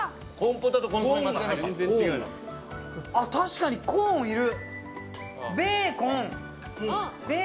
確かに、コーンいる。